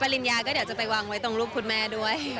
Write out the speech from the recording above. ปริญญาก็เดี๋ยวจะไปวางไว้ตรงรูปคุณแม่ด้วย